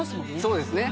そうですね